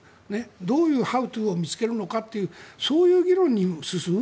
どういうハウツーを見つけるのかというそういう議論に進む。